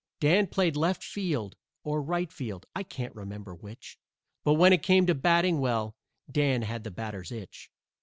Dan played left field or right field, I can't remember which, But when it came to batting well, Dan had the batter's itch.